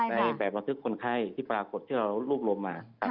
ในแบบบันทึกคนไข้ที่ปรากฏที่เรารวบรวมมา